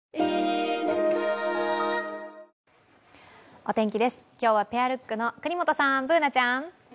お天気です、今日はペアルックの國本さん、Ｂｏｏｎａちゃん。